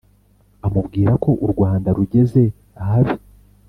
amubwira ko u rwanda rugezeahabi